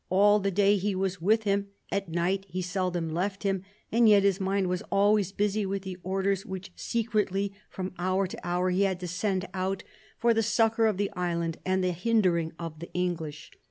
... All the day he was with him ; at night he seldom left him ; and yet his mind was always busy with the orders which secretly, from hour to hour, he had to send out for the succour of the island and the hindering of the English.